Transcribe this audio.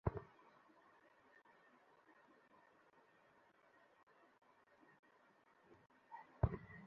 প্রতি বছর মার্চ-এপ্রিলে সাধারণত চেরি ফুল অতি অল্প সময়ের জন্য ফোটে।